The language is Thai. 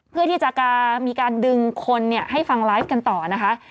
เพื่อที่จะมีการดึงคนให้ฟังไลฟ์กันต่อนะคะ